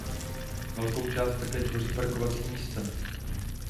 Velkou část také tvoří parkovací místa.